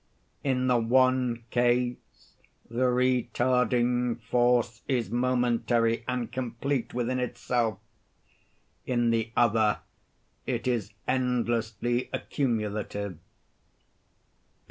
In the one case, the retarding force is momentary and complete within itself—in the other it is endlessly accumulative.